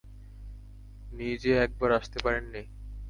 নিজে একবার আসতে পারেননি?